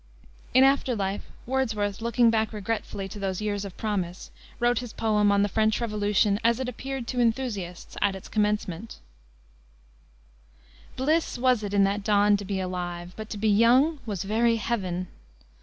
In after life Wordsworth, looking back regretfully to those years of promise, wrote his poem on the French Revolution as it appeared to Enthusiasts at its Commencement. "Bliss was it in that dawn to be alive, But to be young was very heaven.